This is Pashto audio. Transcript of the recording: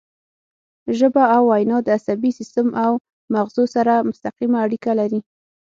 ژبه او وینا د عصبي سیستم او مغزو سره مستقیمه اړیکه لري